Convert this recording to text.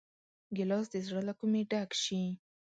ګیلاس د زړه له کومي ډک شي.